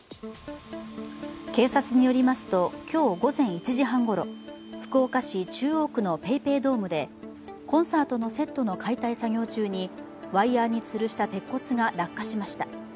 警察によりますと、今日午前１時半ごろ福岡市中央区のＰａｙＰａｙドームでコンサートのセットの解体作業中にワイヤーにつるした鉄骨が落下しました。